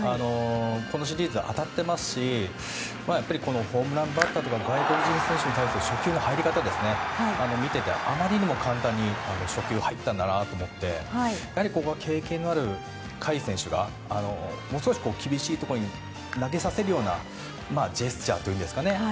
このシリーズ、当たっていますしやっぱりホームランバッターとか外国人選手に対する初球の入り方を見ていてあまりにも簡単に初球が入ったんだなと思ってここは経験のある甲斐選手がもう少し厳しいところに投げさせるようなジェスチャーというんですかね。